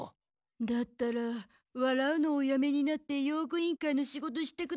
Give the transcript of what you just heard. だったらわらうのをおやめになって用具委員会の仕事してください。